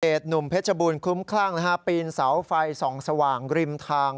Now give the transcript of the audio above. เด็ดหนุ่มเพชรบุญคุ้มคลั่งปีนเสาไฟสองสว่างริมทาง